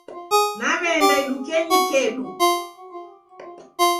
Naweenda idukenyi kedu